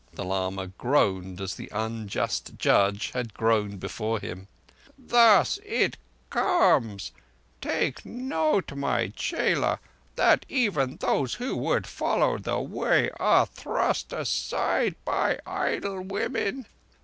The lama groaned as the Unjust Judge had groaned before him. "Thus it comes—take note, my chela—that even those who would follow the Way are thrust aside by idle women.